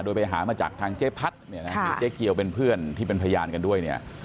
โดยไปหามาจากทางเจ๊พัดเนี่ยนะเจ๊เกียวเป็นเพื่อนที่เป็นพยานกันด้วยเนี่ย